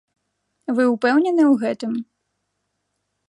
Вы ўпэўнены ў гэтым?